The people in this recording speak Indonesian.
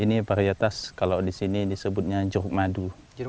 ini varietas kalau di sini disebutnya jeruk madu